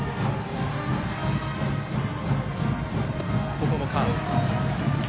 ここもカーブ。